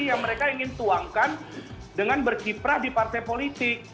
yang mereka ingin tuangkan dengan berkiprah di partai politik